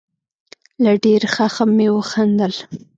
له ډېر خښم مې وخندل.